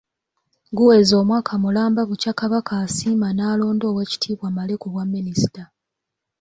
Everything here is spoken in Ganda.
Guweze omwaka mulamba bukya Kabaka asiima n'alonda Oweekitiibwa Male ku bwa minisita.